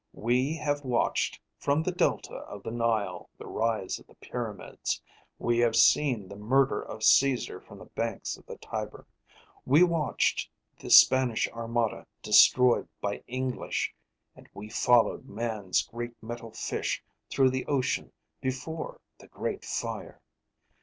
"We have watched from the delta of the Nile the rise of the pyramids; we have seen the murder of Caesar from the banks of the Tiber. We watched the Spanish Armada destroyed by English, and we followed Man's great metal fish through the ocean before the Great Fire.